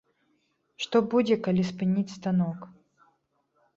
Што будзе, калі спыніць станок?